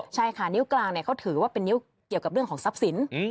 ใช่ค่ะนิ้วกลางเขาถือว่าเป็นนิ้วเกี่ยวกับเรื่องของทรัพย์สิน